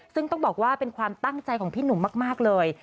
ซึ่งต้องบอกว่าเป็นความตั้งใจของพี่หนุ่มมากเลย